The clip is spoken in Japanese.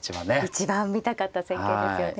一番見たかった戦型ですよね。